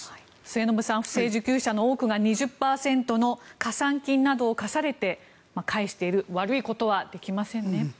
末延さん不正受給者の多くが２０％の加算金などを課されて返している悪いことはできませんね。